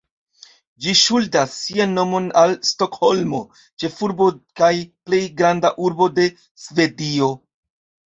Ĝi ŝuldas sian nomon al Stokholmo, ĉefurbo kaj plej granda urbo de Svedio.